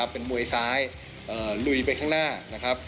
เป็นมวยซ้ายลุยไปข้างหน้า